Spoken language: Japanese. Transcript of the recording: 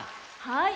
はい。